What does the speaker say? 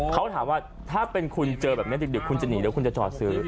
เขาถามว่าถ้าเป็นคุณเจอแบบนี้ดึกคุณจะหนีหรือคุณจะจอดซื้อ